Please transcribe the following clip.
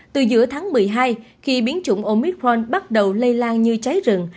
từ giữa tháng một mươi hai khi biến chủng omitforn bắt đầu lây lan như cháy rừng